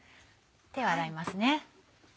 手を洗いますね。